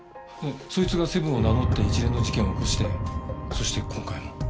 そいつがセブンを名乗って一連の事件を起こしてそして今回も。